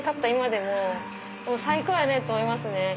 最高やねと思いますね。